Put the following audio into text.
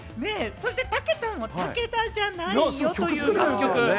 たけたんは『武田じゃないよ』という楽曲。